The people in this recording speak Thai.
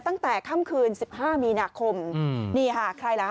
ตั้งแต่ค่ำคืนสิบห้ามีนาคมนี่ค่ะใครล่ะฮ